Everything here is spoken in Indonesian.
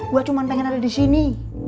gue cuma pengen ada disini